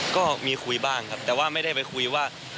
ก็มีคุยบ้างครับแต่ว่าไม่ได้ไปคุยว่า